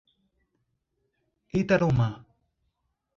Itarumã